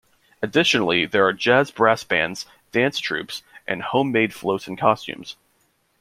Additionally, there are jazz brass bands, dance troupes, and home-made floats and costumes.